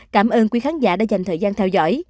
cảm ơn quý khán giả đã dành thời gian theo dõi